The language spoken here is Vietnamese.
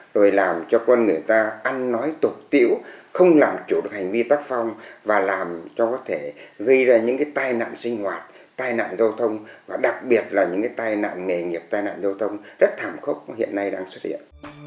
rồi làm cho con người ta ăn nói tục tiễu không làm chủ được hành vi tác phong và làm cho có thể gây ra những cái tai nạn sinh hoạt tai nạn giao thông và đặc biệt là những cái tai nạn nghề nghiệp tai nạn giao thông rất thảm khốc hiện nay đang xuất hiện